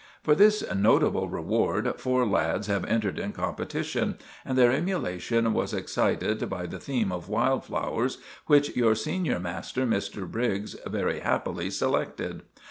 "For this notable reward four lads have entered in competition, and their emulation was excited by the theme of 'Wild Flowers,' which your senior master, Mr. Briggs, very happily selected.